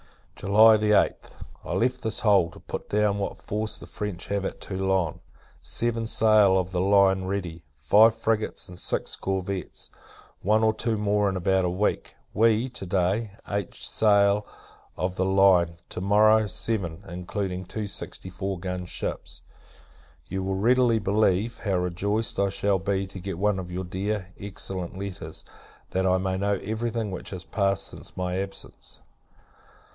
[July 8th. I left this hole, to put down what force the French have at Toulon. Seven sail of the line ready, five frigates, and six corvettes. One or two more in about a week. We, to day, eight sail of the line to morrow, seven; including two sixty four gun ships. You will readily believe, how rejoiced I shall be to get one of your dear, excellent letters, that I may know every thing which has passed since my absence.